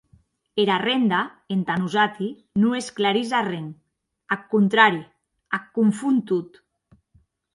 Era renda, entà nosati, non esclarís arren; ath contrari, ac confon tot.